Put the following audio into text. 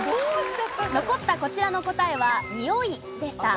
残ったこちらの答えは「臭い」でした。